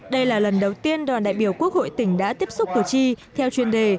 đây là lần đầu tiên đoàn đại biểu quốc hội tỉnh đã tiếp xúc cử tri theo chuyên đề